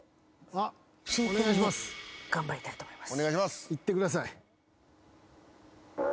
頑張りたいと思います。